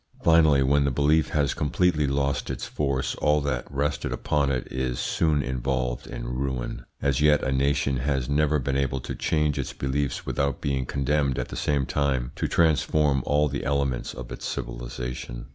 Finally, when the belief has completely lost its force, all that rested upon it is soon involved in ruin. As yet a nation has never been able to change its beliefs without being condemned at the same time to transform all the elements of its civilisation.